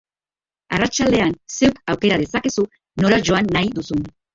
Arratsaldean zeuk aukera dezakezu nora joan nahi duzun.